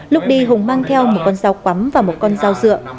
lúc đi hùng mang theo một con rau quắm và một con rau dựa